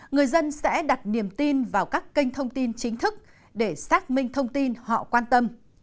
người dân sẽ đặt niềm tin vào các kênh thông tin chính thức để xác minh thông tin họ quan tâm